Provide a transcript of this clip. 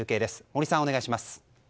森さん、お願いします。